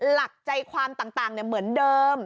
หลักใจความต่างเหมือนเดิม